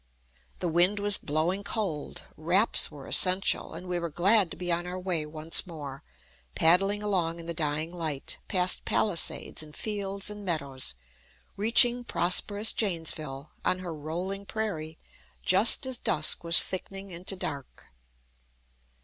The wind was blowing cold, wraps were essential, and we were glad to be on our way once more, paddling along in the dying light, past palisades and fields and meadows, reaching prosperous Janesville, on her rolling prairie, just as dusk was thickening into dark.